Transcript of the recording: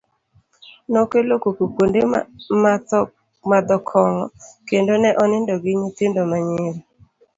,nokelo koko kwonde madho kong'o kendo ne onindo gi nyithindo ma nyiri